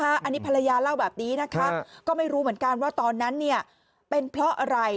อันนี้ภรรยาเล่าแบบนี้นะคะก็ไม่รู้เหมือนกันว่าตอนนั้นเนี่ยเป็นเพราะอะไร